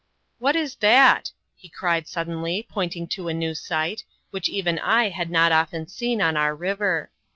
"What is that?" he cried, suddenly, pointing to a new sight, which even I had not often seen on our river.